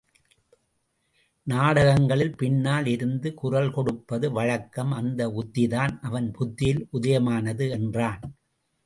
நாடகங்களில் பின்னால் இருந்து குரல் கொடுப்பது வழக்கம் அந்த உத்திதான் அவன் புத்தியில் உதயமானது என்றான்.